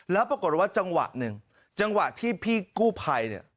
แล้วปรากฏว่าจังหวะหนึ่งจังหวะที่พี่กู้ภัยเนี่ย